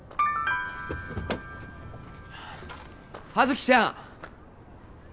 羽月ちゃん！